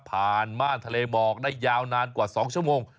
ม่านทะเลหมอกได้ยาวนานกว่า๒ชั่วโมง